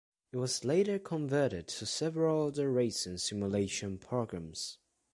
It was later converted to several other racing simulation programs.